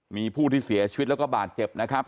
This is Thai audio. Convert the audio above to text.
มีผู้ที่เสียชีวิตแล้วก็บาดเจ็บนะครับ